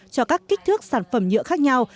cho các kích thước sản phẩm nhựa khác nhau